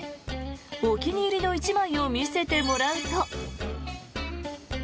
お気に入りの１枚を見せてもらうと。